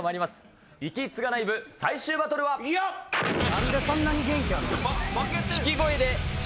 何でそんなに元気あるん？